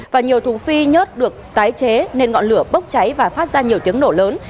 và nhiều thùng phi nhớt được tái chế nên ngọn lửa bốc cháy và phát ra nhiều tiếng nổ lớn